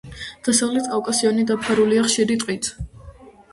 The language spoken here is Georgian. დასავლეთი კავკასიონი დაფარულია ხშირი ტყით.